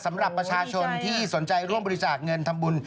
สำหรับประชาชนที่สนใจร่วมบริจาคเงินทำบุญ